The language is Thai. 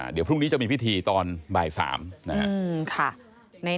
เดี๋ยวพรุ่งนี้จะมีพิธีตอนบ่าย๓นะครับ